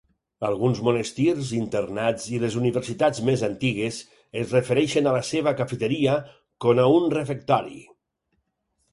Alguns monestirs, internats i les universitats més antigues, es refereixen a la seva cafeteria con a un refectori.